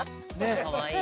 かわいい。